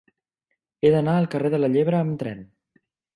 He d'anar al carrer de la Llebre amb tren.